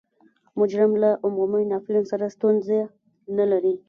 مجرم له عمومي ناپلیون سره ستونزه نلري.